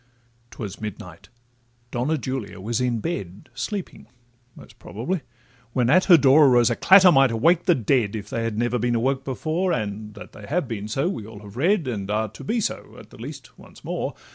'Twas midnight—Donna Julia was in bed, Sleeping, most probably,—when at her door Arose a clatter might awake the dead, If they had never been awoke before, And that they have been so we all have read, And are to be so, at the least, once more.